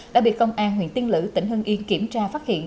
đã bị công an huyện tiên lữ tỉnh hưng yên kiểm tra phát hiện